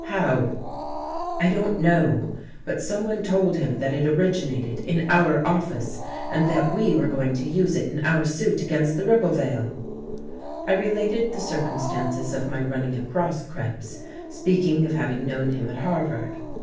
"How?" "I don't know. But someone told him that it originated in our office, and that we were going to use it in our suit against the Ribblevale." I related the circumstances of my running across Krebs, speaking of having known him at Harvard.